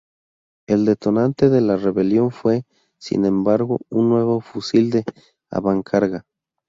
El detonante de la rebelión fue, sin embargo, un nuevo fusil de avancarga.